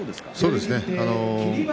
そうですね。